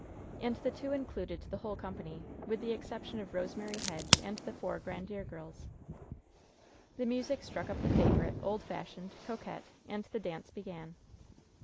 And the two included the whole company, with the exception of Rosemary Hedge and the four Grandiere girls. The music struck up the favorite, old fashioned "Coquette," and the dance began.